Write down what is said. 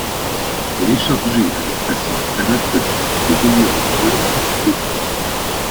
Elle est chargée, avec sa sœur Thalatte, de veiller aux fleurs et aux fruits.